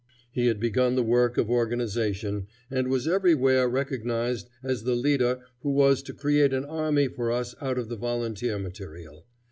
He had begun the work of organization, and was everywhere recognized as the leader who was to create an army for us out of the volunteer material.